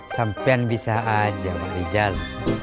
sampian bisa aja pak rijal